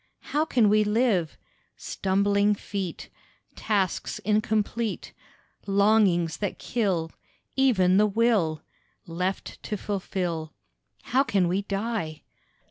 How can we live? Stumbling feet, Tasks incomplete, Longings that kill Even the will, Left to fulfil, How can we die?